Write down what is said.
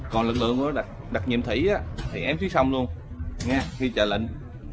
còn lực lượng đặc nhiệm thủy thì em phía sông luôn khi chờ lệnh